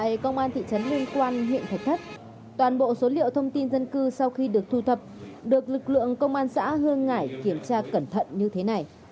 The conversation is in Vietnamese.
tại công an thị trấn liên quan huyện thạch thất toàn bộ số liệu thông tin dân cư sau khi được thu thập được lực lượng công an xã hương ngãi kiểm tra cẩn thận như thế này